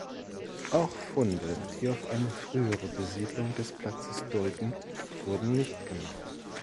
Auch Funde, die auf eine frühere Besiedlung des Platzes deuten, wurden nicht gemacht.